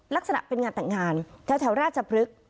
ลักษณะเป็นงานแต่งงานแถวราชพฤกษ์